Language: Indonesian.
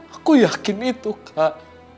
aku yakin itu kak